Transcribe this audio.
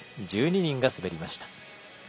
１２人が滑りました。